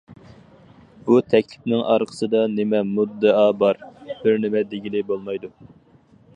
بۇ تەكلىپنىڭ ئارقىسىدا نېمە مۇددىئا بار بىر نېمە دېگىلى بولمايدۇ.